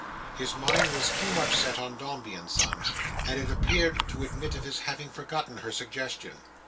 His mind was too much set on Dombey and Son, it soon appeared, to admit of his having forgotten her suggestion.